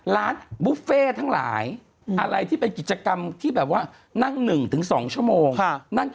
ร้านบุฟเฟ่ทั้งหลายอะไรที่เป็นกิจกรรมที่แบบว่านั่ง๑๒ชั่วโมง